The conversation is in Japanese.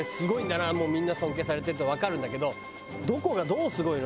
もうみんなに尊敬されてるってわかるんだけどどこがどうすごいの？